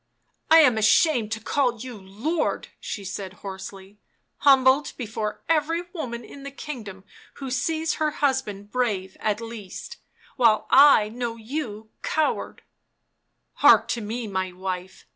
" I am ashamed to call you lord," she said hoarsely; " humbled before every woman in the kingdom who sees her husband brave at least — while I — know you coward "" Hark to me, my wife.